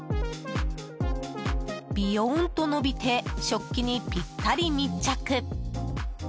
びよーんと伸びて食器にぴったり密着。